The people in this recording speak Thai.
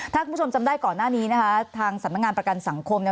ถ้าคุณผู้ชมจำได้ก่อนหน้านี้นะคะทางสำนักงานประกันสังคม